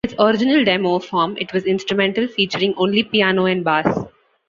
In its original demo form it was instrumental, featuring only piano and bass.